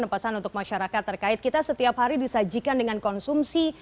pesan untuk masyarakat terkait kita setiap hari disajikan dengan konsumsi